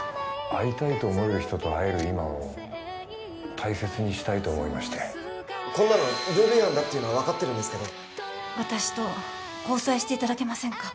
会いたいと思える人と会える今を大切にしたいと思いましてこんなのルール違反だっていうのは分かってるんですけど私と交際していただけませんか？